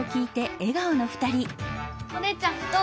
お姉ちゃんどう？